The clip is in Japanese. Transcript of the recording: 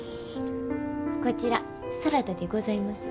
こちらサラダでございます。